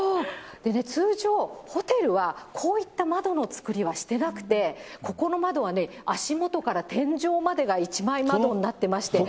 でね、通常、ホテルは、こういった窓の作りはしてなくて、ここの窓はね、足元から天井までが一枚窓になってまして。